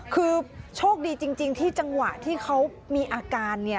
คือโชคดีจริงที่จังหวะที่เขามีอาการ